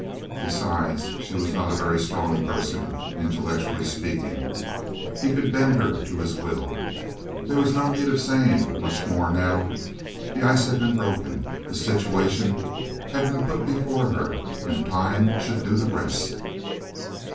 Besides, she was not a very strong person, intellectually speaking. He could bend her to his will. There was no need of saying much more now; the ice had been broken, the situation had been put before her, and time should do the rest.